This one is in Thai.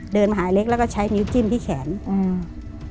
เดินมาหาเล็กแล้วก็ใช้นิ้วจิ้มที่แขนอืม